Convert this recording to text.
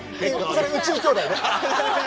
それ「宇宙兄弟」ね。